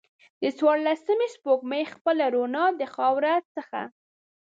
د څوارلسمې سپوږمۍ خپله روڼا د خاورو څخه